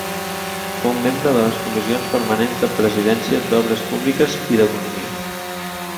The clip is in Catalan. Fou membre de les comissions permanents de Presidència, d'Obres Públiques i d'Economia.